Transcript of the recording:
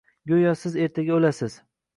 Go'yo siz ertaga o'lsangiz.